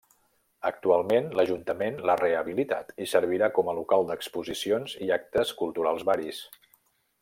Actualment l’Ajuntament l’ha rehabilitat i servirà com a local d’exposicions i actes culturals varis.